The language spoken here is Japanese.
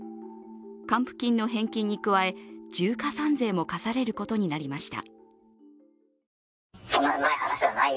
還付金の返金に加え、重加算税も課されることになりました。